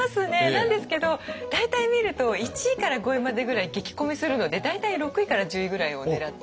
なんですけど大体見ると１位から５位までぐらい激混みするので大体６位から１０位ぐらいを狙って。